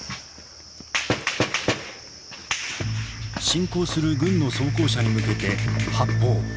侵攻する軍の装甲車に向けて発砲。